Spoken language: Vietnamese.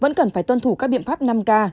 vẫn cần phải tuân thủ các biện pháp năm k